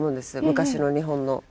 昔の日本の。